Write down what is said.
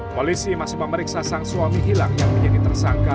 polisi masih memeriksa sang suami hilang yang menjadi tersangka